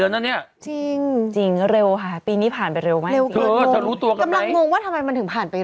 ครึ่งปีแล้วนะรู้ตัวกันไหมเนี่ย